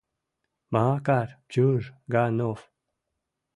Ма-кар Чуж-га-нов!